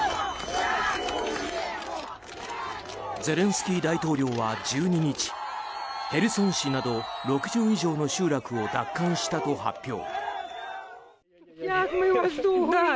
ゼレンスキー大統領は１２日ヘルソン市など６０以上の集落を奪還したと発表。